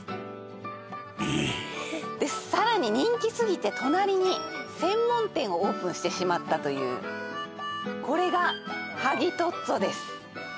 えーっでさらに人気すぎて隣に専門店をオープンしてしまったというこれがはぎトッツォです